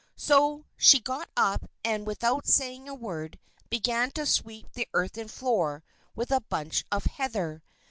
So she got up, and, without saying a word, began to sweep the earthen floor with a bunch of heather.